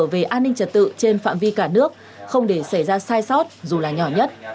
về an ninh trật tự trên phạm vi cả nước không để xảy ra sai sót dù là nhỏ nhất